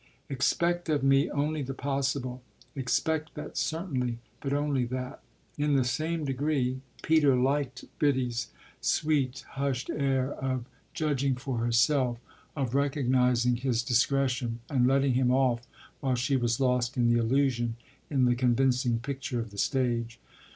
Expect of me only the possible. Expect that certainly, but only that." In the same degree Peter liked Biddy's sweet, hushed air of judging for herself, of recognising his discretion and letting him off while she was lost in the illusion, in the convincing picture of the stage.